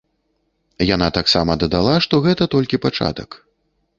Яна таксама дадала, што гэта толькі пачатак.